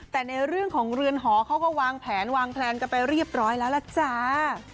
แต่ในเรื่องของเรือนหอเขาก็วางแผนวางแพลนกันไปเรียบร้อยแล้วล่ะจ้า